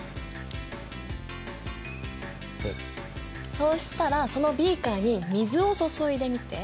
そうしたらそのビーカーに水を注いでみて。